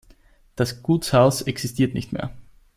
Das Gutshaus existiert nicht mehr.